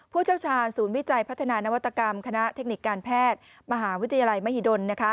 ผู้เชี่ยวชาญศูนย์วิจัยพัฒนานวัตกรรมคณะเทคนิคการแพทย์มหาวิทยาลัยมหิดล